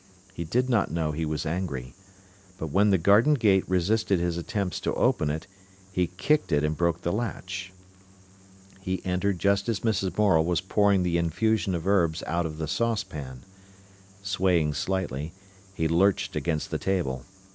He did not know he was angry. But when the garden gate resisted his attempts to open it, he kicked it and broke the latch. He entered just as Mrs. Morel was pouring the infusion of herbs out of the saucepan. Swaying slightly, he lurched against the table.